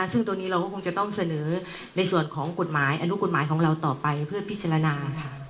ซึ่งตรงนี้เราก็คงจะต้องเสนอในส่วนของกฎหมายอนุกฎหมายของเราต่อไปเพื่อพิจารณาค่ะ